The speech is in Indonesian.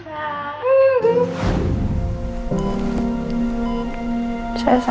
selamat ulang tahun